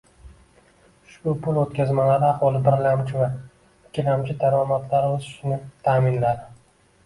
Ushbu pul o‘tkazmalari aholi birlamchi va ikkilamchi daromadlari o‘sishini ta’minladi